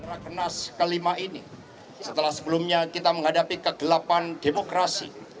rakenas ke lima ini setelah sebelumnya kita menghadapi kegelapan demokrasi